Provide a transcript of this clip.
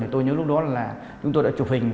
tôi nhớ lúc đó là chúng tôi đã chụp hình